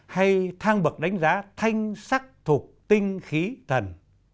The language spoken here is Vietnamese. hay thang bậc đánh giá thanh sắc thục tinh khí tần